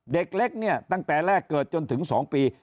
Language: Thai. เด็กเล็กเนี่ยตั้งแต่แรกเกิดจนถึง๒ปี